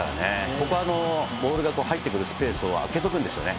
ここ、ボールが入ってくるスペースを空けとくんですよね。